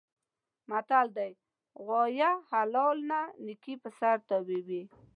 متل دی: غوایه حلال نه نښکي په سر نیولي.